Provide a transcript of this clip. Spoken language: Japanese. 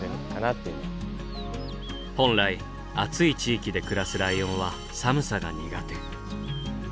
本来暑い地域で暮らすライオンは寒さが苦手。